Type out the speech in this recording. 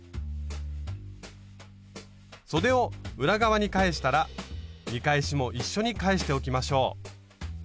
そでを裏側に返したら見返しも一緒に返しておきましょう。